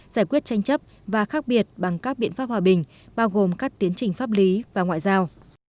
giải quyết tranh chấp và khác biệt bằng các biện pháp hòa bình bao gồm các tiến trình pháp lý và ngoại giao